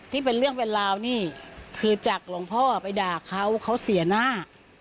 เป็นเรื่องเป็นราวนี่คือจากหลวงพ่อไปด่าเขาเขาเสียหน้า